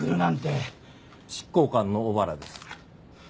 執行官の小原です。